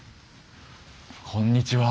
こんにちは。